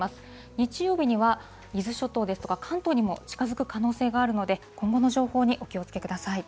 日曜日には伊豆諸島ですとか、関東にも近づく可能性があるので、今後の情報にお気をつけください。